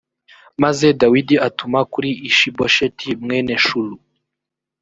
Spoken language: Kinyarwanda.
maze dawidi atuma kuri ishibosheti mwene shulu